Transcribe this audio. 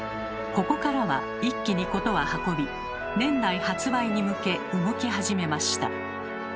ここからは一気に事は運び年内発売に向け動き始めました。